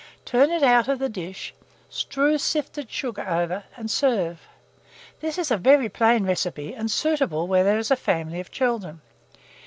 Turn it out of the dish, strew sifted sugar over, and serve. This is a very plain recipe, and suitable where there is a family of children.